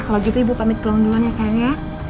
kalau begitu ibu pamit pulang duluan ya sayangnya